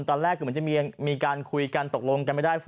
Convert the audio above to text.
ตอนแรกก็เหมือนจะมีการคุยกันตกลงกันไม่ได้